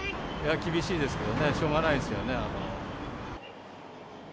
厳しいですけどね、しょうがないですよね。